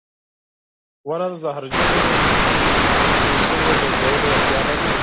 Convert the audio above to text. • ونه د زهرجنو ګازونو جذبولو وړتیا لري.